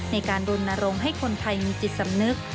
ในการรณรงค์ให้คนไทยมีจิตสำนึก